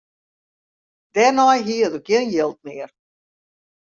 Dêrnei hie er gjin jild mear.